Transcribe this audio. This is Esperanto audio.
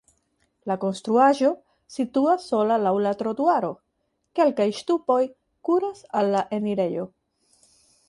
La konstruaĵo situas sola laŭ la trotuaro, kelkaj ŝtupoj kuras al la enirejo.